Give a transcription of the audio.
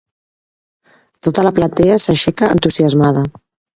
Tota la platea s'aixeca entusiasmada.